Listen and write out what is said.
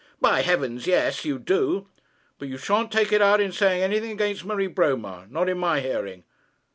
'By heavens, yes; you do.' 'But you sha'n't take it out in saying anything against Marie Bromar, not in my hearing.'